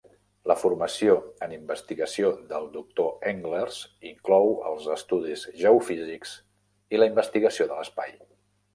La formació en investigació del doctor Englerts inclou els estudis geofísics i la investigació de l'espai.